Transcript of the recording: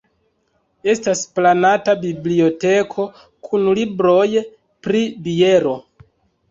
Estas planata biblioteko kun libroj pri biero.